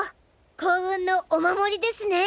幸運のお守りですね。